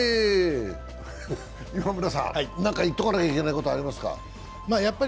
岩村さん、何か言っとかなきゃいけないことありますか？